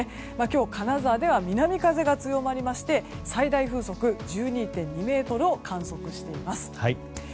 今日、金沢では南風が強まりまして最大風速１２．２メートルを観測しています。